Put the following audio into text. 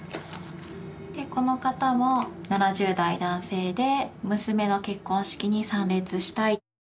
この方も７０代男性で娘の結婚式に参列したい。